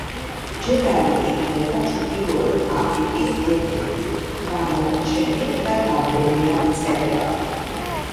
ჯებარი ითვლება ჩრდილოეთ აფრიკის ერთ-ერთ გამოჩენილ და გავლენიან მწერლად.